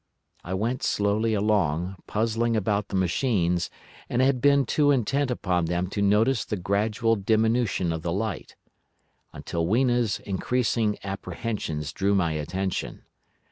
I went slowly along, puzzling about the machines, and had been too intent upon them to notice the gradual diminution of the light, until Weena's increasing apprehensions drew my attention.